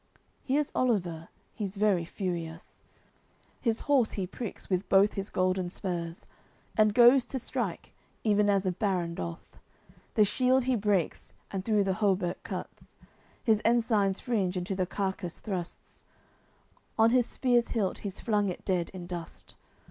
Hears Oliver, he's very furious, His horse he pricks with both his golden spurs, And goes to strike, ev'n as a baron doth; The shield he breaks and through the hauberk cuts, His ensign's fringe into the carcass thrusts, On his spear's hilt he's flung it dead in dust.